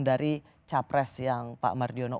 dari capres yang pak mardiono